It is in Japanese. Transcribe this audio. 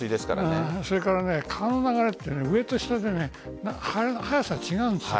それから、川の流れは上と下で速さが違うんです。